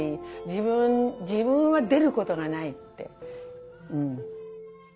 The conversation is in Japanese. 自分自分は出ることがないって。